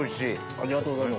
ありがとうございます。